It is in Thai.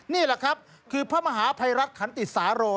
นี่แหละครับคือพระมหาภัยรัฐขันติสาโร